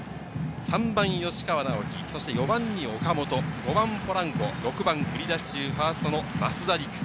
３番・吉川尚輝、４番に岡本、５番・ポランコ、６番、売り出し中、ファーストの増田陸。